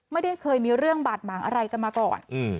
ไม่ได้เคยมีเรื่องบาดหมางอะไรกันมาก่อน